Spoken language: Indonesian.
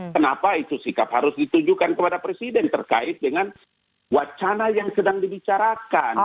kenapa itu sikap harus ditujukan kepada presiden terkait dengan wacana yang sedang dibicarakan